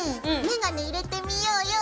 メガネ入れてみようよ！